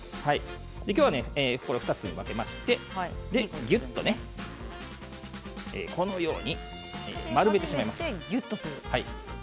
今日はこの２つに分けてぎゅっとねこのように丸めてしまいます。